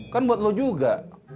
kan buat lo juga